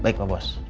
baik pak bos